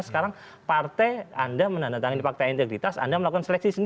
sekarang partai anda menandatangani fakta integritas anda melakukan seleksi sendiri